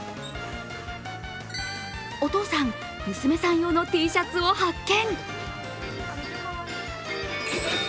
お父さん、娘さん用のＴシャツを発見。